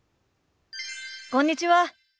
こんにちは。